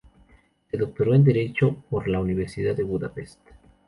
Se doctoró en Derecho por la Universidad de Budapest.